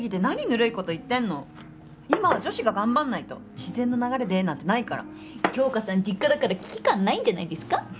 ぬるいこと言ってんの今は女子が頑張んないと自然の流れでなんてないから杏花さん実家だから危機感ないんじゃないですか？